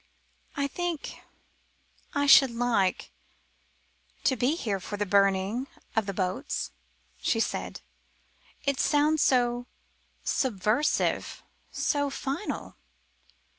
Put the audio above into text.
"I think I should like to be here for the burning of the boats," she said. "It sounds so subversive so final."